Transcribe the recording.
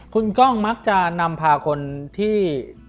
คุณกล้องมักจะนำพาคนที่